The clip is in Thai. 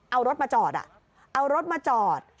เอารถมาจอดเอารถมาจอด